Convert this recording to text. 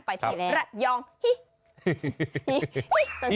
ไปเส้นแล้วย่องฮิ